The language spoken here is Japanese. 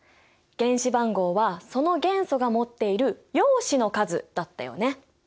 原子番号はその元素が持っている陽子の数だったよね。